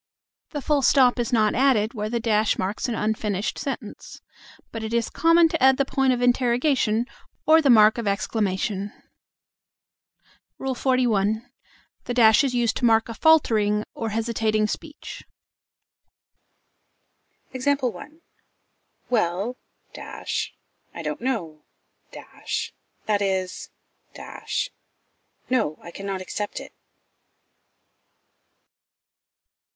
The full stop is not added where the dash marks an unfinished sentence. But it is common to add the point of interrogation or the mark of exclamation. XLI. The dash is used to mark a faltering or hesitating speech. Well I don't know that is no, I cannot accept it.